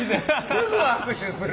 すぐ握手する。